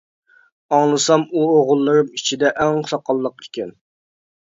ئاڭلىسام ئۇ ئوغۇللىرىم ئىچىدە ئەڭ ساقاللىق ئىكەن.